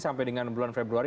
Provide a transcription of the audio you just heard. sampai dengan bulan februari